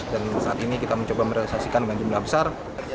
dan saat ini kita mencoba merealisasikan dengan jumlah besar